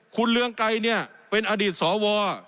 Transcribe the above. คุณเรืองไก่เป็นอดีตสว